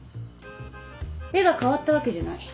絵が変わったわけじゃない。